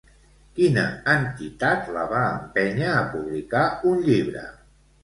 Quina entitat la va empènyer a publicar un llibre?